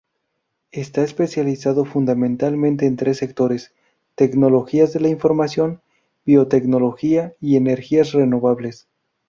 Está especializado fundamentalmente en tres sectores: Tecnologías de la Información, Biotecnología y Energías Renovables.